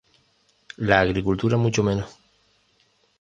La agricultura mucho menos.